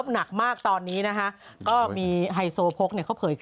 เบคศิษย์สิไม่เบคหรอก